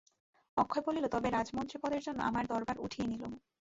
অক্ষয় বলিল, তবে রাজমন্ত্রী-পদের জন্যে আমার দরবার উঠিয়ে নিলুম।